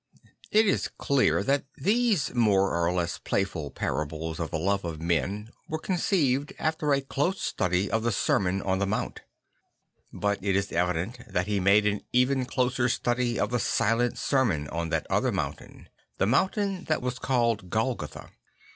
It is clear that these more or less playful parables of the love of men were conceived after a close study of the Sermon on the 1iount. But it is evident that he made an even closer study of the silent sermon on that other mountain; the mountain that was called Golgotha.